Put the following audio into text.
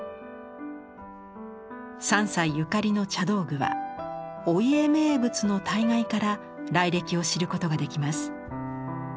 三斎ゆかりの茶道具は「御家名物之大概」から来歴を知ることができます。